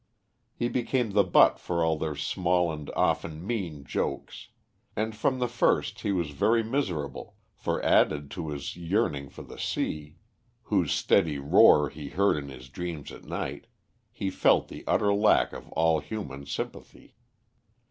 He became the butt for all their small and often mean jokes, and from the first he was very miserable, for, added to his yearning for the sea, whose steady roar he heard in his dreams at night, he felt the utter lack of all human sympathy.